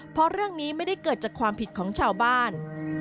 เพราะเรื่องนี้ไม่ได้เกิดจากความผิดของชาวบ้าน